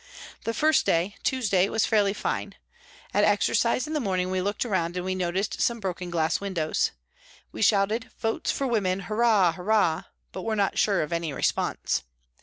The first day, Tuesday, was fairly fine. At exercise in the morning we looked around and we noticed some broken glass windows. We shouted " Votes for Women, Hurrah ! Hurrah !" but were not sure of any response.